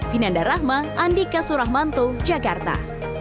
vinanda rahma andika suramanto jakarta